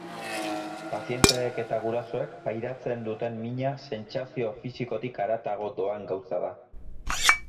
Pazienteek eta gurasoek pairatzen duten mina, sentsazio fisikotik haratago doan gauza da.